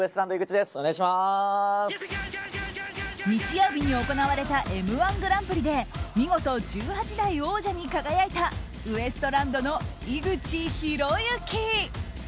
日曜日に行われた「Ｍ‐１グランプリ」で見事１８代王者に輝いたウエストランドの井口浩之。